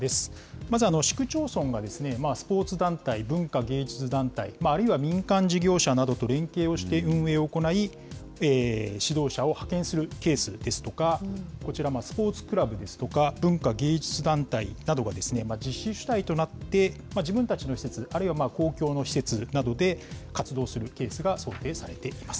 まず、市区町村がスポーツ団体、文化芸術団体、あるいは民間事業者などと連携をして運営を行い、指導者を派遣するケースですとか、こちら、スポーツクラブですとか、文化芸術団体などが実施主体となって、自分たちの施設、あるいは公共の施設などで活動するケースが想定されています。